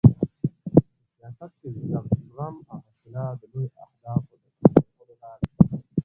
په سیاست کې زغم او حوصله د لویو اهدافو د ترلاسه کولو لار ده.